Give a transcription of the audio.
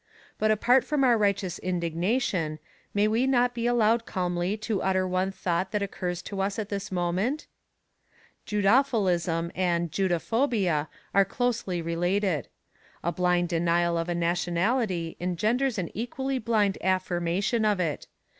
But apart from our righteous indignation, may we not be allowed calmly to utter one thought that occurs to us at this moment? "Judophilism" and "Judophobia" are closely related. A blind denial of a nationality engenders an equally blind affirmation of it.